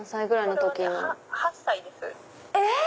えっ⁉